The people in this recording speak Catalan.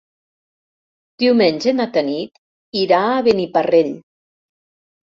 Diumenge na Tanit irà a Beniparrell.